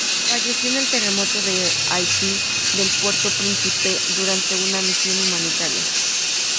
Falleció en el terremoto de Haití del en Puerto Príncipe durante una misión humanitaria.